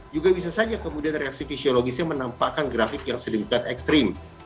juga bisa saja kemudian reaksi fisiologisnya menampakkan grafik yang sedemikian ekstrim